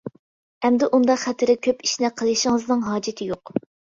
ئەمدى ئۇنداق خەتىرى كۆپ ئىشنى قىلىشىڭىزنىڭ ھاجىتى يوق.